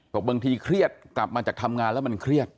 บางทีเครียดกลับมาจากทำงานแล้วมันเครียด